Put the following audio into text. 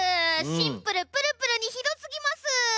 シンプルプルプルにひどすぎます。